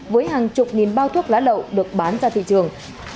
với hàng chục nghìn bao thuốc lá lậu được bán ra thị trường